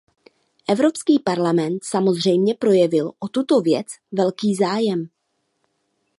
Evropský parlament samozřejmě projevil o tuto věc velký zájem.